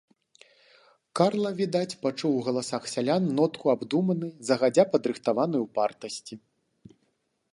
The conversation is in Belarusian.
Карла, відаць, пачуў у галасах сялян нотку абдуманай, загадзя падрыхтаванай упартасці.